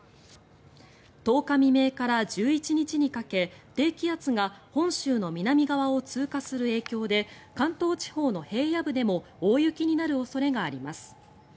１０日未明から１１日にかけ低気圧が本州の南側を通過する影響で関東地方の平野部でも大雪になる恐れがあります。